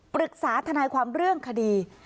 ปรึกษาทนายความเรื่องคดี